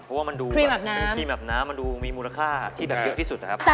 เพราะว่ามันดูครีมอาบน้ำมันดูมีมูลค่าที่แบบยุคที่สุดนะครับ